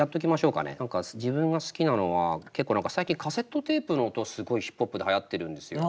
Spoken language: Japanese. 何か自分が好きなのは結構最近カセットテープの音すごいヒップホップではやってるんですよ。